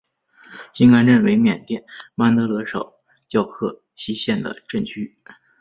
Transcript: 辛甘镇为缅甸曼德勒省皎克西县的镇区。